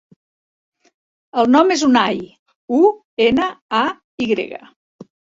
El nom és Unay: u, ena, a, i grega.